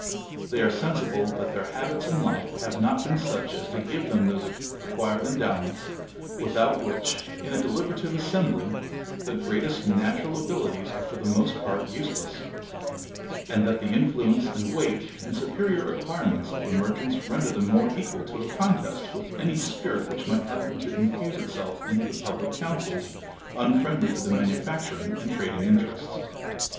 They are sensible that their habits in life have not been such as to give them those acquired endowments, without which, in a deliberative assembly, the greatest natural abilities are for the most part useless; and that the influence and weight, and superior acquirements of the merchants render them more equal to a contest with any spirit which might happen to infuse itself into the public councils, unfriendly to the manufacturing and trading interests.